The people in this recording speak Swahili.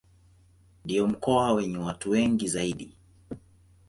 Ndio mkoa wenye watu wengi zaidi.